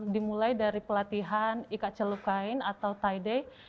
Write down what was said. dimulai dari pelatihan ikat celup kain atau tie day